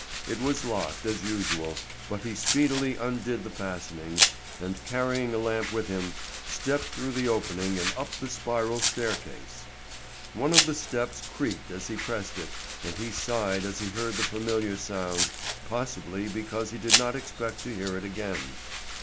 It was locked, as usual, but he speedily undid the fastenings, and carrying a lamp with him, stepped through the opening and up the spiral staircase. One of the steps creaked as he pressed it, and he sighed as he heard the familiar sound, possibly because he did not expect to hear it again.